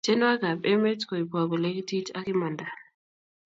tienwokik ap emet koipwaa kolekitit ak imanda